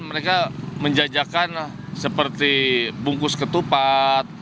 mereka menjajakan seperti bungkus ketupat